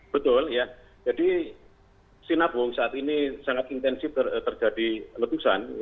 betul ya jadi sinabung saat ini sangat intensif terjadi letusan